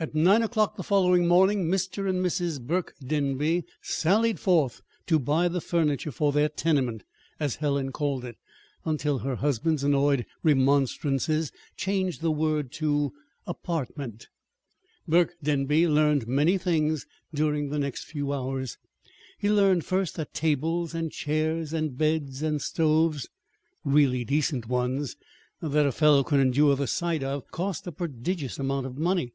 At nine o'clock the following morning Mr. and Mrs. Burke Denby sallied forth to buy the furniture for their "tenement," as Helen called it, until her husband's annoyed remonstrances changed the word to "apartment." Burke Denby learned many things during the next few hours. He learned first that tables and chairs and beds and stoves really decent ones that a fellow could endure the sight of cost a prodigious amount of money.